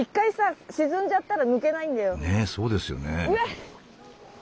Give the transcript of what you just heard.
ねえそうですよね。